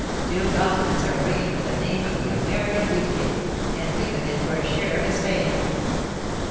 Two continents are ringing with the name of the American Wheat King, and we come in for a share of his fame.